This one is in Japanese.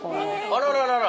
あらららら！